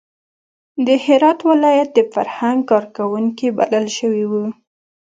د هرات ولایت د فرهنګ کار کوونکي بلل شوي وو.